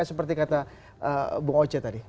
seperti kata bung oce tadi